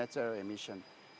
untuk mencapai emisi net zero